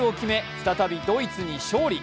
再びドイツに勝利。